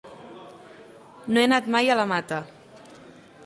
No he anat mai a la Mata.